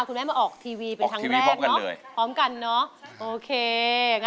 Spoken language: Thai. คุณนิ๊กมาออกทีวีเป็นขั้งแรกพร้อมกันเนอะ